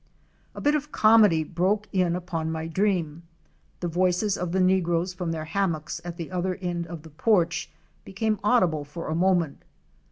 A bit of comedy broke in upon my dream — the voices of the negroes from their hammocks at the other end of the porch became audible for a moment.